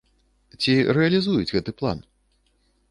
Ці рэалізуюць гэты план?